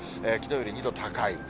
きのうより２度高い。